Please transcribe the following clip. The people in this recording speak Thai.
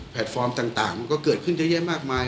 ฟอร์มต่างมันก็เกิดขึ้นเยอะแยะมากมาย